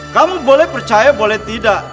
kamu boleh percaya boleh tidak